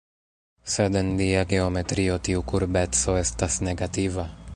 Sed en lia geometrio tiu kurbeco estas negativa.